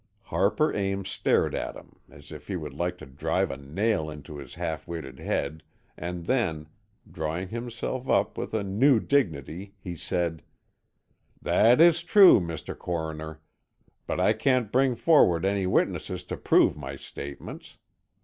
Harper Ames stared at him as if he would like to drive a nail into his half witted head, and then, drawing himself up with a new dignity, he said: "That is true, Mr. Coroner. But I can't bring forward any witnesses to prove my statements.